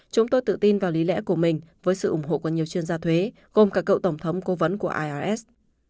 chúng tôi tự tin vào lý lẽ của mình với sự ủng hộ của nhiều chuyên gia thuế gồm cả cậu tổng thống cố vấn của ios